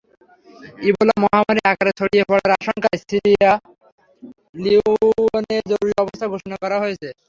Ebola মহামারি আকারে ছড়িয়ে পড়ার আশঙ্কায় সিয়েরা লিওনে জরুরি অবস্থা ঘোষণা করা হয়েছে।